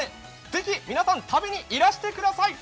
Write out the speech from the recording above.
ぜひ皆さん、食べにいらしてください。